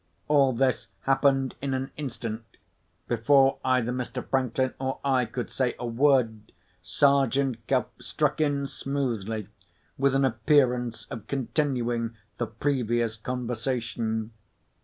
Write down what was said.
All this happened in an instant. Before either Mr. Franklin or I could say a word, Sergeant Cuff struck in smoothly, with an appearance of continuing the previous conversation.